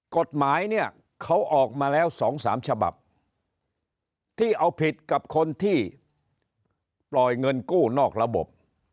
กฎหมายเนี่ยเขาออกมาแล้ว๒๓ฉบับที่เอาผิดกับคนที่ปล่อยเงินกู้นอกระบบ